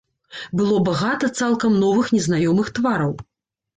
Было багата цалкам новых незнаёмых твараў.